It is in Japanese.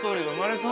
◆そう？